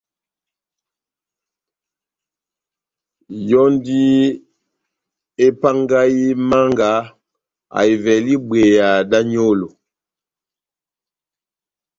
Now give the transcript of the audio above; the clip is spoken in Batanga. Yɔndi epangahi Manga ahivɛle ibweya da nyolo